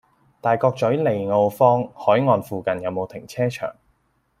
大角嘴利奧坊·凱岸附近有無停車場？